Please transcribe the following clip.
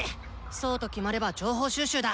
そうと決まれば情報収集だ！